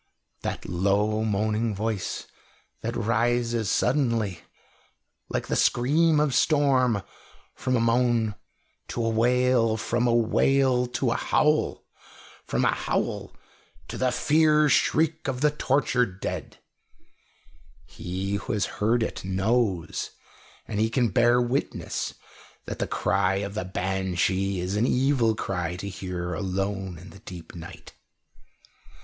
That low moaning voice that rises suddenly, like the scream of storm, from a moan to a wail, from a wail to a howl, from a howl to the fear shriek of the tortured dead he who has heard knows, and he can bear witness that the cry of the banshee is an evil cry to hear alone in the deep night.